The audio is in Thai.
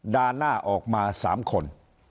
ด่าหน้าออกมา๓คน